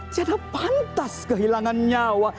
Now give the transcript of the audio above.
tidak pantas kehilangan nyawa